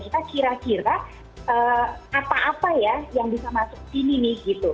kita kira kira apa apa ya yang bisa masuk sini nih gitu